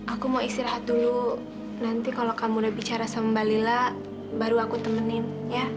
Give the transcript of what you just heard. aku mau istirahat dulu nanti kalau kamu udah bicara sama mbak lila baru aku temenin ya